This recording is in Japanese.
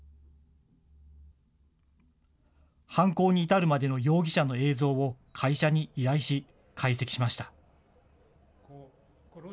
犯行に至るまでの容疑者の映像を会社に依頼し、解析しました。